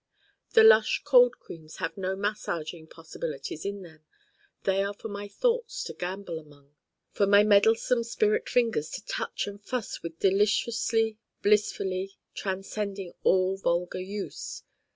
The lush Cold Creams have no massaging possibilities in them they are for my thoughts to gambol among, for my meddlesome spirit fingers to touch and fuss with deliciously, blissfully, transcending all vulgar use.